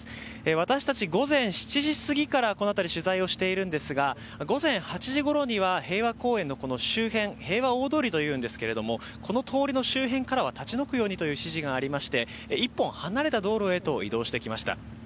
私たち午前７時過ぎからこの辺り取材をしているんですが午前８時ごろには平和公園の周辺平和大通りというんですがこの通りの周辺から立ち退くようにという指示がありまして１本離れた道路へと移動してきました。